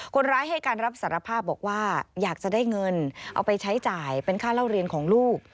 คนร้ายให้การรับสารภาพบอกว่าอยากจะได้เงินเอาไปใช้จ่ายเป็นค่าเล่าเรียนของลูก